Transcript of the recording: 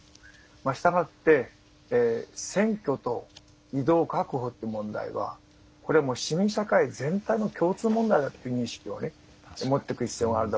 したがって選挙と移動確保という問題はこれはもう市民社会全体の共通問題だという認識を持っておく必要があるだろうと。